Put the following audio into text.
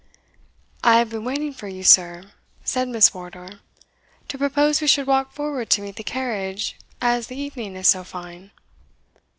"I have been waiting for you, sir," said Miss Wardour, "to propose we should walk forward to meet the carriage, as the evening is so fine."